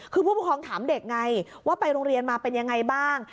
คือผู้ปกครองถามเด็กไงว่าไปโรงเรียนมาเป็นยังไงบ้าง